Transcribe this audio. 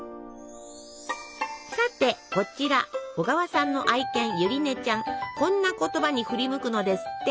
さてこちら小川さんの愛犬こんな言葉に振り向くのですって。